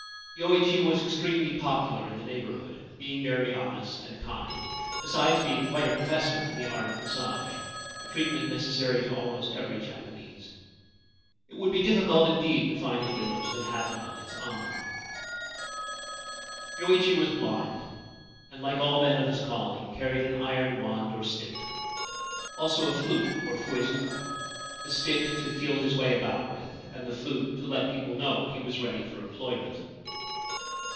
Yoichi was extremely popular in the neighbourhood, being very honest and kind, besides being quite a professor in the art of massage — a treatment necessary to almost every Japanese. It would be difficult indeed to find a village that had not its amma. Yoichi was blind, and, like all men of his calling, carried an iron wand or stick, also a flute or * fuezuka '— the stick to feel his way about with, and the flute to let people know he was ready for employment.